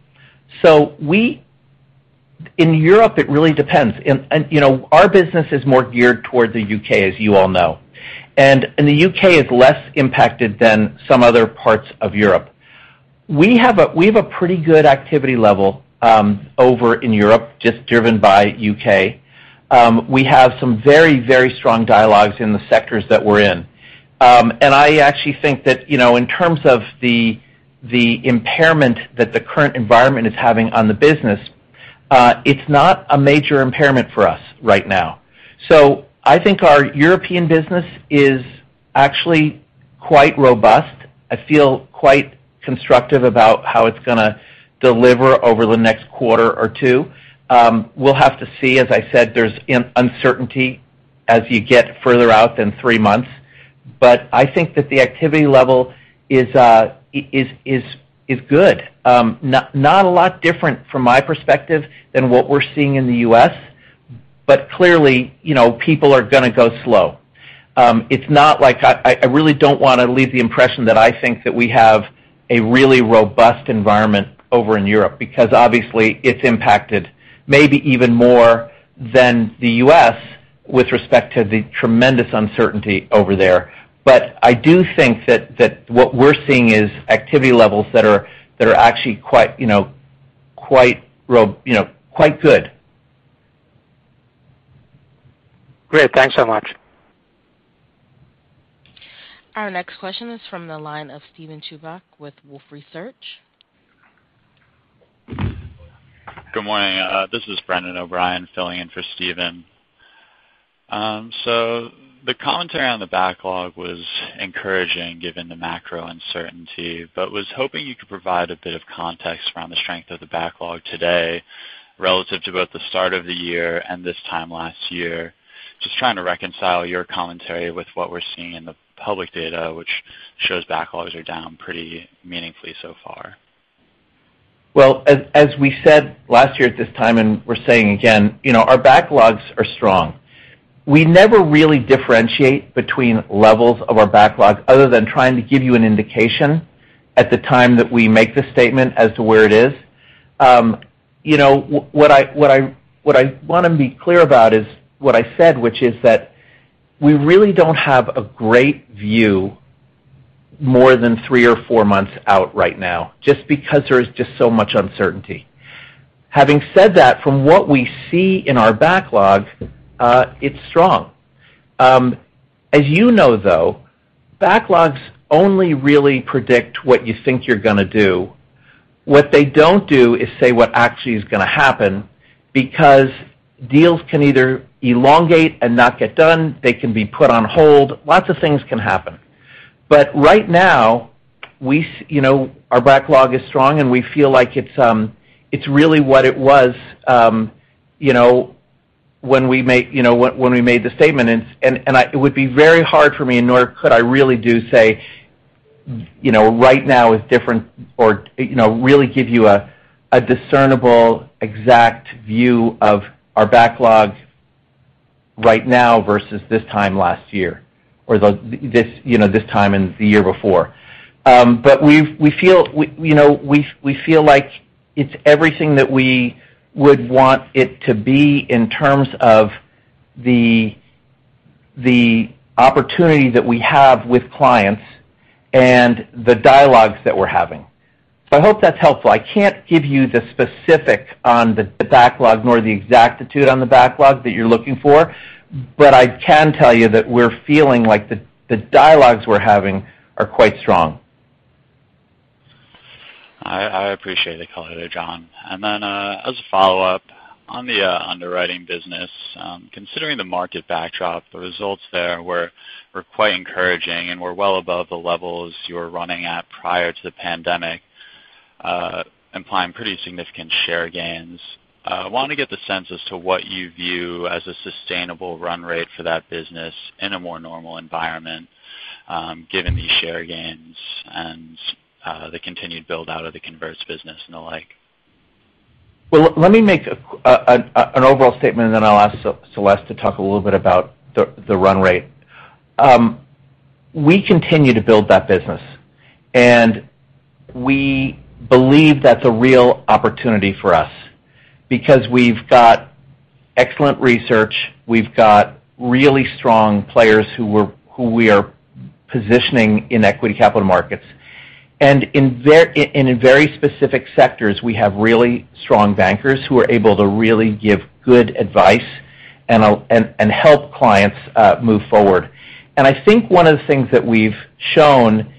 in Europe, it really depends. You know, our business is more geared toward the U.K., as you all know. The U.K. is less impacted than some other parts of Europe. We have a pretty good activity level over in Europe, just driven by U.K. We have some very strong dialogues in the sectors that we're in. I actually think that, you know, in terms of the impairment that the current environment is having on the business, it's not a major impairment for us right now. I think our European business is actually quite robust. I feel quite constructive about how it's gonna deliver over the next quarter or two. We'll have to see. As I said, there's uncertainty as you get further out than three months. I think that the activity level is good. Not a lot different from my perspective than what we're seeing in the U.S., but clearly, you know, people are gonna go slow. It's not like I really don't wanna leave the impression that I think that we have a really robust environment over in Europe, because obviously, it's impacted maybe even more than the U.S. with respect to the tremendous uncertainty over there. I do think that what we're seeing is activity levels that are actually quite, you know, quite good. Great. Thanks so much. Our next question is from the line of Steven Chubak with Wolfe Research. Good morning. This is Brendan O'Brien filling in for Steven. The commentary on the backlog was encouraging given the macro uncertainty, but was hoping you could provide a bit of context around the strength of the backlog today relative to both the start of the year and this time last year. Just trying to reconcile your commentary with what we're seeing in the public data, which shows backlogs are down pretty meaningfully so far. As we said last year at this time, and we're saying again, you know, our backlogs are strong. We never really differentiate between levels of our backlogs other than trying to give you an indication at the time that we make the statement as to where it is. You know, what I wanna be clear about is what I said, which is that we really don't have a great view more than three or four months out right now, just because there is just so much uncertainty. Having said that, from what we see in our backlog, it's strong. As you know, though, backlogs only really predict what you think you're gonna do. What they don't do is say what actually is gonna happen because deals can either elongate and not get done. They can be put on hold. Lots of things can happen. Right now, you know, our backlog is strong, and we feel like it's really what it was, you know, when we made the statement. It would be very hard for me, nor could I really say, you know, right now is different or, you know, really give you a discernible exact view of our backlog right now versus this time last year or this time in the year before. We feel, you know, like it's everything that we would want it to be in terms of the opportunity that we have with clients and the dialogues that we're having. I hope that's helpful. I can't give you the specifics on the backlog nor the exactitude on the backlog that you're looking for, but I can tell you that we're feeling like the dialogues we're having are quite strong. I appreciate the color there, John. As a follow-up, on the underwriting business, considering the market backdrop, the results there were quite encouraging and were well above the levels you were running at prior to the pandemic, implying pretty significant share gains. Wanna get the sense as to what you view as a sustainable run rate for that business in a more normal environment, given these share gains and the continued build-out of the converts business and the like. Well, let me make an overall statement, and then I'll ask Celeste to talk a little bit about the run rate. We continue to build that business. We believe that's a real opportunity for us because we've got excellent research. We've got really strong players who we are positioning in equity capital markets. In a very specific sectors, we have really strong bankers who are able to really give good advice and help clients move forward. I think one of the things that we've shown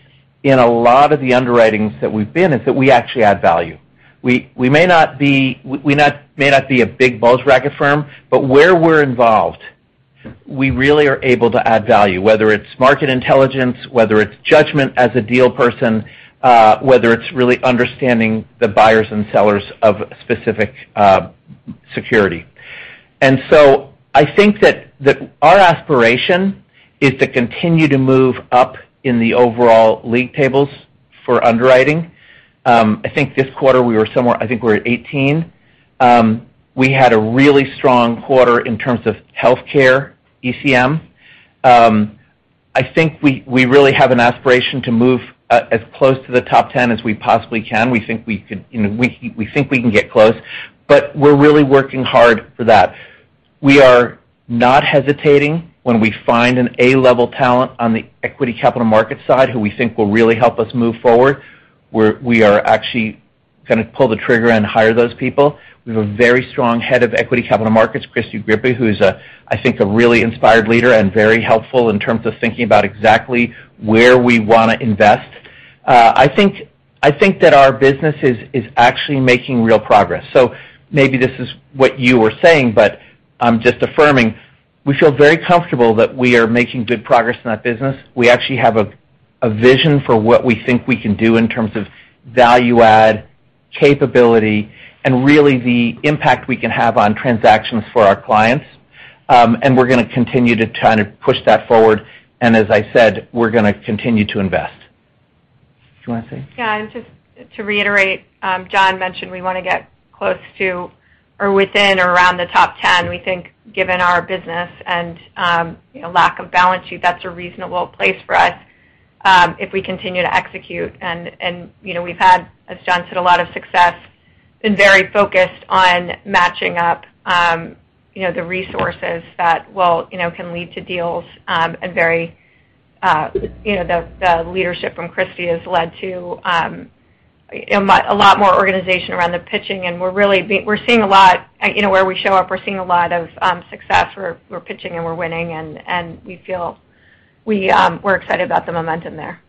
in a lot of the underwriting that we've been is that we actually add value. We may not be. We may not be a big bulge bracket firm, but where we're involved, we really are able to add value, whether it's market intelligence, whether it's judgment as a deal person, whether it's really understanding the buyers and sellers of specific security. I think that our aspiration is to continue to move up in the overall league tables for underwriting. I think this quarter we were somewhere. I think we're at 18. We had a really strong quarter in terms of healthcare ECM. I think we really have an aspiration to move as close to the top 10 as we possibly can. We think we could, you know, we think we can get close, but we're really working hard for that. We are not hesitating when we find an A-level talent on the equity capital market side who we think will really help us move forward. We're actually gonna pull the trigger and hire those people. We have a very strong head of equity capital markets, Kristy Grippi, who's, I think, a really inspired leader and very helpful in terms of thinking about exactly where we wanna invest. I think that our business is actually making real progress. Maybe this is what you were saying, but I'm just affirming, we feel very comfortable that we are making good progress in that business. We actually have a vision for what we think we can do in terms of value add, capability, and really the impact we can have on transactions for our clients. We're gonna continue to try to push that forward. As I said, we're gonna continue to invest. Do you wanna say? Yeah. Just to reiterate, John mentioned we wanna get close to or within or around the top ten. We think, given our business and, you know, lack of balance sheet, that's a reasonable place for us, if we continue to execute. You know, we've had, as John said, a lot of success and very focused on matching up, you know, the resources that will, you know, can lead to deals, and very, you know, the leadership from Kristy has led to, a lot more organization around the pitching, and we're seeing a lot. You know, where we show up, we're seeing a lot of success. We're pitching, and we're winning and we feel. We're excited about the momentum there.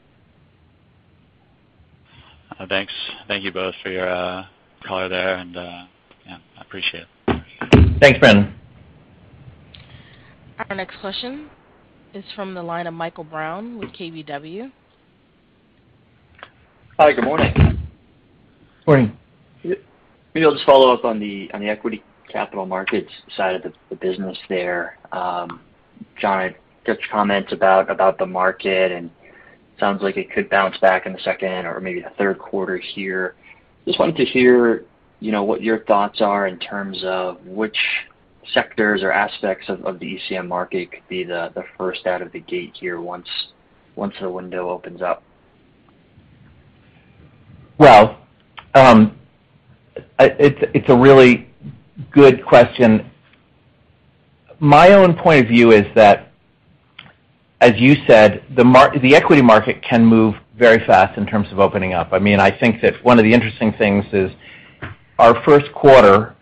Thanks. Thank you both for your color there, and yeah, I appreciate it. Thanks, Brendan. Our next question is from the line of Michael Brown with KBW. Hi. Good morning. Morning. Maybe I'll just follow up on the equity capital markets side of the business there. John, just your comments about the market, and sounds like it could bounce back in the second or maybe the third quarter here. Just wanted to hear, you know, what your thoughts are in terms of which sectors or aspects of the ECM market could be the first out of the gate here once the window opens up. Well, it's a really good question. My own point of view is that, as you said, the equity market can move very fast in terms of opening up. I mean, I think that one of the interesting things is our first quarter,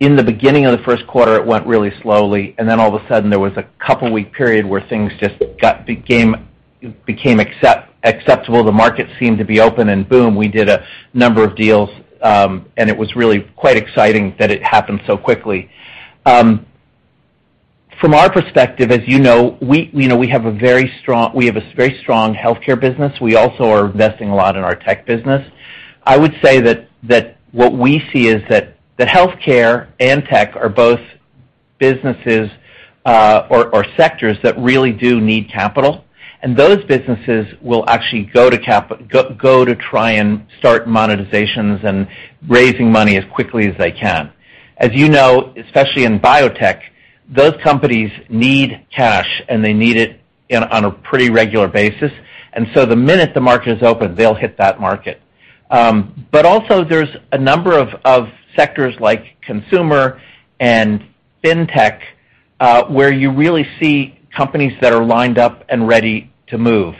in the beginning of the first quarter, it went really slowly, and then all of a sudden there was a couple week period where things just became acceptable. The market seemed to be open, and boom, we did a number of deals. It was really quite exciting that it happened so quickly. From our perspective, as you know, you know, we have a very strong healthcare business. We also are investing a lot in our tech business. I would say that what we see is that healthcare and tech are both businesses or sectors that really do need capital. Those businesses will actually go to try and start monetizations and raising money as quickly as they can. As you know, especially in biotech. Those companies need cash, and they need it on a pretty regular basis. The minute the market is open, they'll hit that market. But also there's a number of sectors like consumer and fintech where you really see companies that are lined up and ready to move.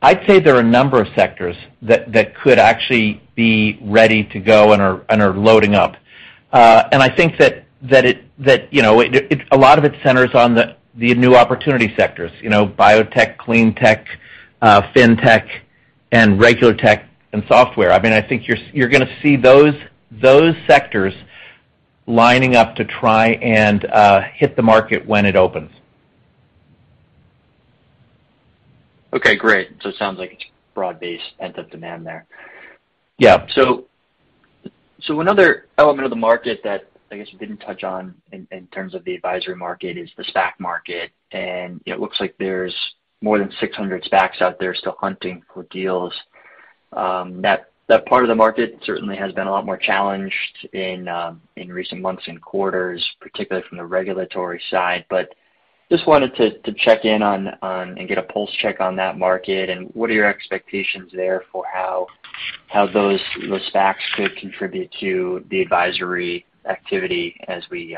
I'd say there are a number of sectors that could actually be ready to go and are loading up. I think that, you know, a lot of it centers on the new opportunity sectors, you know, biotech, clean tech, fintech, and regular tech and software. I mean, I think you're gonna see those sectors lining up to try and hit the market when it opens. Okay, great. It sounds like it's broad-based pent-up demand there. Yeah. Another element of the market that I guess you didn't touch on in terms of the advisory market is the SPAC market. It looks like there's more than 600 SPACs out there still hunting for deals. That part of the market certainly has been a lot more challenged in recent months and quarters, particularly from the regulatory side. Just wanted to check in on and get a pulse check on that market and what are your expectations there for how those SPACs could contribute to the advisory activity as we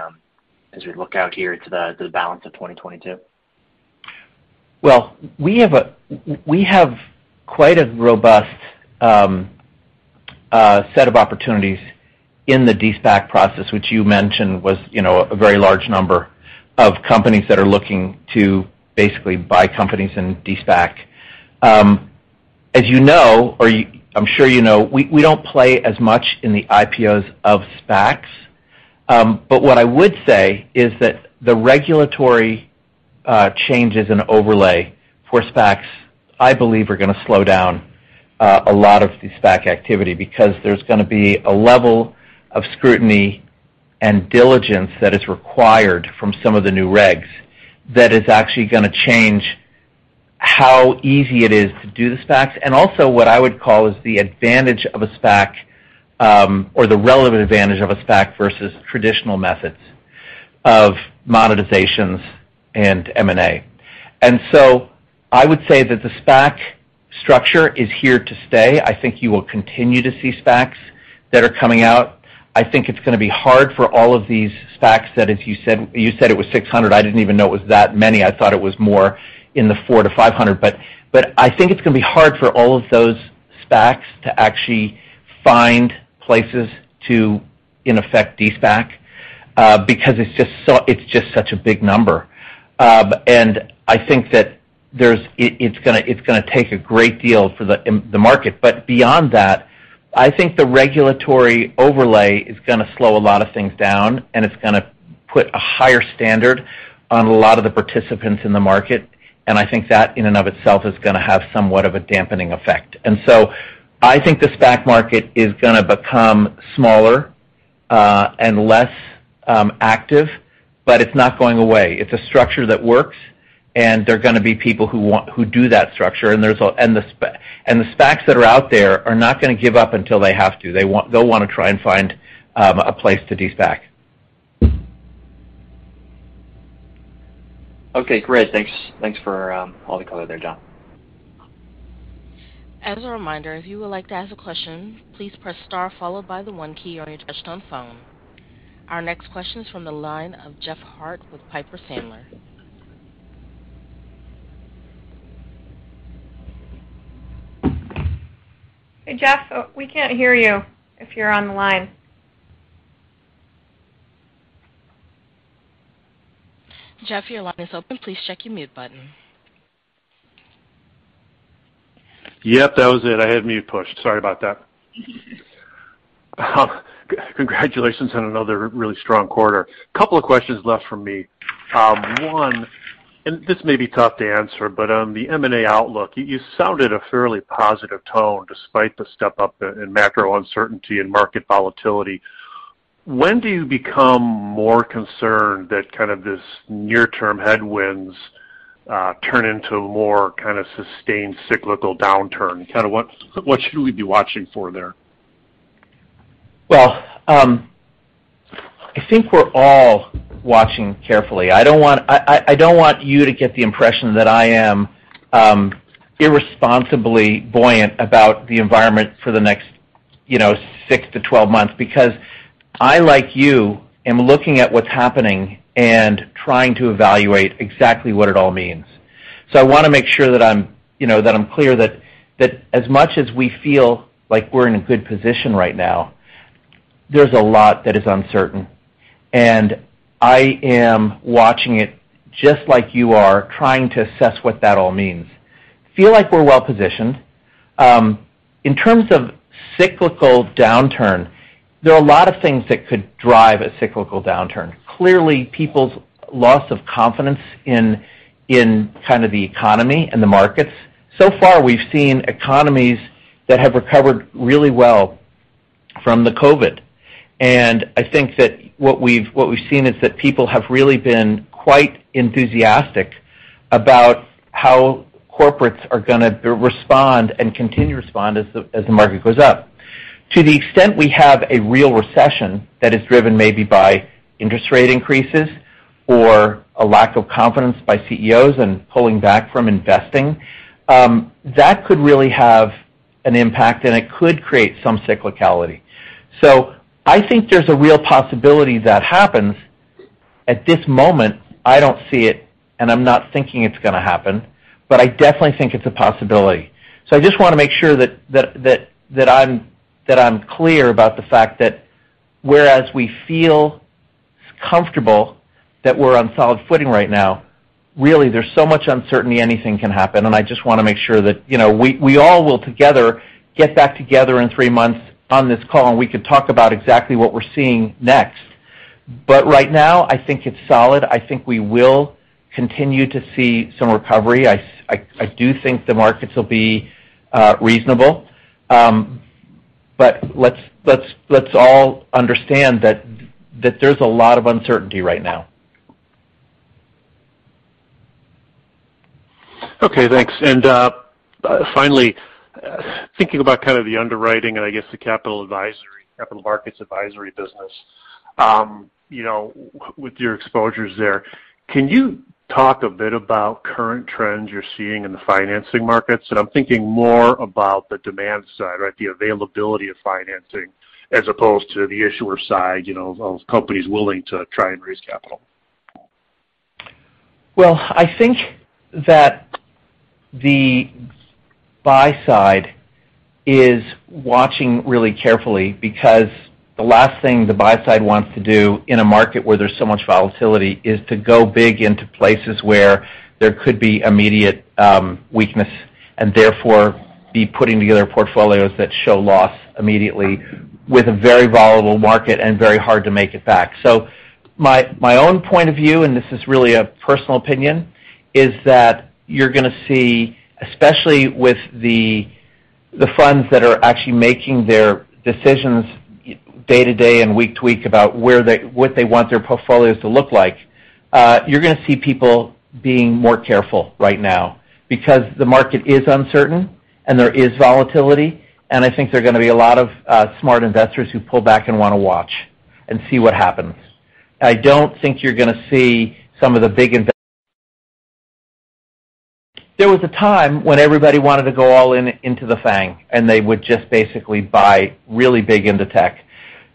look out here to the balance of 2022. Well, we have quite a robust set of opportunities in the de-SPAC process, which you mentioned was, you know, a very large number of companies that are looking to basically buy companies and de-SPAC. As you know, I'm sure you know, we don't play as much in the IPOs of SPACs. What I would say is that the regulatory changes and overlay for SPACs, I believe are gonna slow down a lot of the SPAC activity because there's gonna be a level of scrutiny and diligence that is required from some of the new regs that is actually gonna change how easy it is to do the SPACs, and also what I would call is the advantage of a SPAC, or the relative advantage of a SPAC versus traditional methods of monetizations and M&A. I would say that the SPAC structure is here to stay. I think you will continue to see SPACs that are coming out. I think it's gonna be hard for all of these SPACs that, as you said, it was 600. I didn't even know it was that many. I thought it was more in the 400-500. But I think it's gonna be hard for all of those SPACs to actually find places to, in effect, de-SPAC, because it's just such a big number. I think that it's gonna take a great deal for the market. Beyond that, I think the regulatory overlay is gonna slow a lot of things down, and it's gonna put a higher standard on a lot of the participants in the market, and I think that in and of itself is gonna have somewhat of a dampening effect. I think the SPAC market is gonna become smaller, and less active, but it's not going away. It's a structure that works, and there are gonna be people who do that structure. The SPACs that are out there are not gonna give up until they have to. They'll wanna try and find a place to de-SPAC. Okay, great. Thanks for all the color there, John. As a reminder, if you would like to ask a question, please press star followed by the one key on your touchtone phone. Our next question is from the line of Jeff Harte with Piper Sandler. Hey, Jeff, we can't hear you if you're on the line. Jeff, your line is open. Please check your mute button. Yep, that was it. I had mute pushed. Sorry about that. Congratulations on another really strong quarter. Couple of questions left from me. One, this may be tough to answer, but on the M&A outlook, you sounded a fairly positive tone despite the step up in macro uncertainty and market volatility. When do you become more concerned that kind of this near-term headwinds turn into more kinda sustained cyclical downturn? Kinda what should we be watching for there? Well, I think we're all watching carefully. I don't want you to get the impression that I am irresponsibly buoyant about the environment for the next, you know, six to 12 months because I, like you, am looking at what's happening and trying to evaluate exactly what it all means. I wanna make sure that I'm, you know, that I'm clear that as much as we feel like we're in a good position right now, there's a lot that is uncertain. I am watching it just like you are, trying to assess what that all means. Feel like we're well positioned. In terms of cyclical downturn, there are a lot of things that could drive a cyclical downturn. Clearly, people's loss of confidence in kind of the economy and the markets. So far, we've seen economies that have recovered really well from the COVID. I think that what we've seen is that people have really been quite enthusiastic about how corporates are gonna respond and continue to respond as the market goes up. To the extent we have a real recession that is driven maybe by interest rate increases or a lack of confidence by CEOs and pulling back from investing, that could really have an impact, and it could create some cyclicality. I think there's a real possibility that happens. At this moment, I don't see it, and I'm not thinking it's gonna happen, but I definitely think it's a possibility. I just wanna make sure that I'm clear about the fact that whereas we feel comfortable that we're on solid footing right now, really, there's so much uncertainty, anything can happen. I just wanna make sure that, you know, we all will together get back together in three months on this call, and we can talk about exactly what we're seeing next. Right now, I think it's solid. I think we will continue to see some recovery. I do think the markets will be reasonable. Let's all understand that there's a lot of uncertainty right now. Okay, thanks. Finally, thinking about kind of the underwriting and I guess the capital advisory, capital markets advisory business, you know, with your exposures there, can you talk a bit about current trends you're seeing in the financing markets? I'm thinking more about the demand side, right? The availability of financing as opposed to the issuer side, you know, of companies willing to try and raise capital. Well, I think that the buy side is watching really carefully because the last thing the buy side wants to do in a market where there's so much volatility is to go big into places where there could be immediate weakness and therefore be putting together portfolios that show loss immediately with a very volatile market and very hard to make it back. My own point of view, and this is really a personal opinion, is that you're gonna see, especially with the funds that are actually making their decisions day to day and week to week about what they want their portfolios to look like, you're gonna see people being more careful right now because the market is uncertain and there is volatility. I think there are gonna be a lot of smart investors who pull back and wanna watch and see what happens. There was a time when everybody wanted to go all in into the FAANG, and they would just basically buy really big into tech.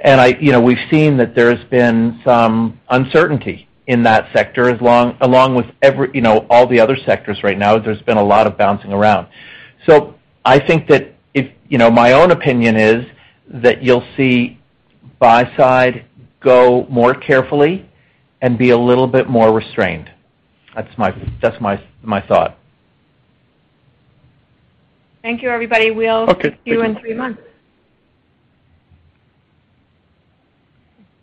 You know, we've seen that there's been some uncertainty in that sector along with every, you know, all the other sectors right now, there's been a lot of bouncing around. I think that you know, my own opinion is that you'll see buy side go more carefully and be a little bit more restrained. That's my thought. Thank you, everybody. Okay. See you in three months.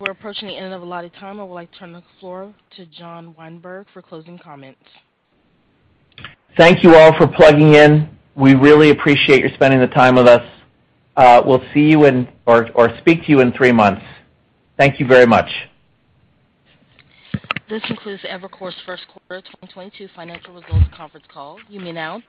We're approaching the end of the allotted time. I would like to turn the floor to John Weinberg for closing comments. Thank you all for plugging in. We really appreciate you spending the time with us. We'll see you in three months or speak to you in three months. Thank you very much. This concludes Evercore's first quarter 2022 financial results conference call. You may now disconnect.